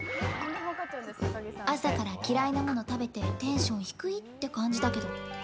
朝から嫌いなもの食べてテンション低いって感じだけど。